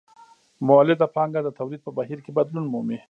مولده پانګه د تولید په بهیر کې بدلون مومي